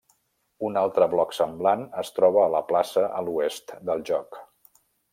Un altre bloc semblant es troba a la plaça a l'oest del joc.